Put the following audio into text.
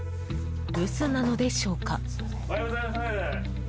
留守なのでしょうか？